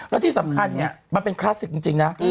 แล้วที่สำคัญเนี่ยมันเป็นคลาสสิกจริงนะ